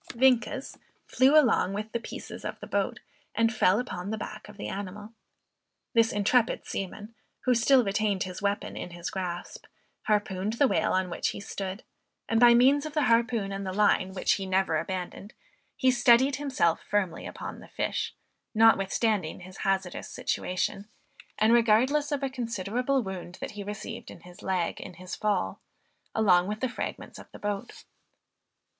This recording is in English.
Vienkes flew along with the pieces of the boat, and fell upon the back of the animal. This intrepid seaman, who still retained his weapon in his grasp, harpooned the whale on which he stood; and by means of the harpoon and the line, which he never abandoned, he steadied himself firmly upon the fish, notwithstanding his hazardous situation, and regardless of a considerable wound that he received in his leg in his fall along with the fragments of the boat.